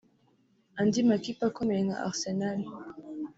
Andi makipe akomeye nka Arsenal